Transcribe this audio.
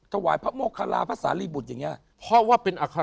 ถวายพระโมคราพระสารีบุตรอย่างนี้เพราะว่าเป็น